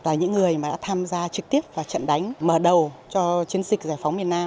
là những người mà đã tham gia trực tiếp vào trận đánh mở đầu cho chiến dịch giải phóng miền nam